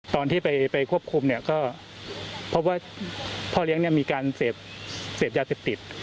ตอนที่ไปควบคุมก็เพราะว่าพ่อเลี้ยงมีการเสพยาคติด